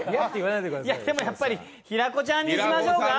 でもやっぱり平子ちゃんにしましょうか。